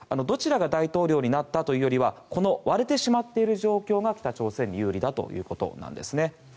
どちらが大統領になったというよりはこの割れてしまっている状況が北朝鮮に有利だということなんですね。